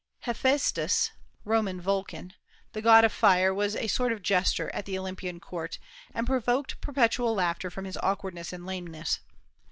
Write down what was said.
Hephaestus (Roman Vulcan), the god of fire, was a sort of jester at the Olympian court, and provoked perpetual laughter from his awkwardness and lameness.